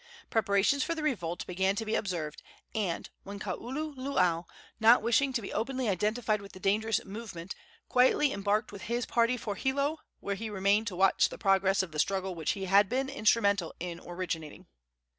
Preparations for the revolt began to be observed, when Kaululaau, not wishing to be openly identified with the dangerous movement, quietly embarked with his party for Hilo, where he remained to watch the progress of the struggle which he had been instrumental in originating.